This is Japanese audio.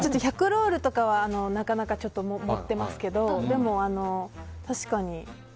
１００ロールとかはなかなか持ってますけどでも、確かに。